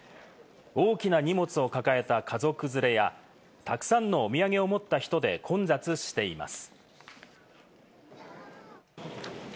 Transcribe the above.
大きな荷物を抱えた家族連れやたくさんのお土産を持った人で混雑しています。